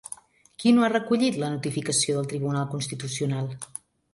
Qui no ha recollit la notificació del Tribunal Constitucional?